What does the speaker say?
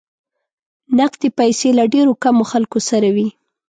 نقدې پیسې له ډېرو کمو خلکو سره وې.